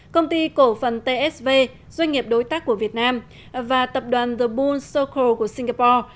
công ty cổ phần tsv doanh nghiệp đối tác của việt nam và tập đoàn the bul socro của singapore